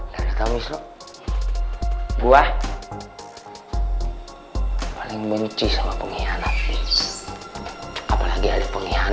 gak ada tau mis lo gue paling benci sama penghianat apalagi ada penghianat